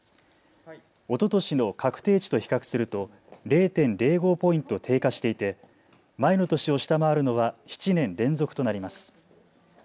おととしの確定値と比較すると０．０５ポイント低下していて前の年を下回るのは７年連続となります。